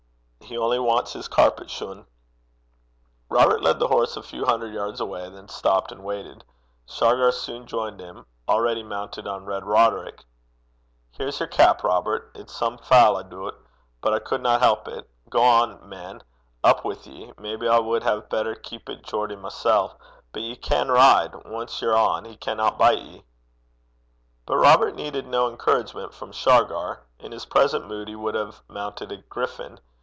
He only wants his carpet shune.' Robert led the horse a few hundred yards, then stopped and waited. Shargar soon joined him, already mounted on Red Roderick. 'Here's yer bonnet, Robert. It's some foul, I doobt. But I cudna help it. Gang on, man. Up wi' ye. Maybe I wad hae better keepit Geordie mysel'. But ye can ride. Ance ye're on, he canna bite ye.' But Robert needed no encouragement from Shargar. In his present mood he would have mounted a griffin.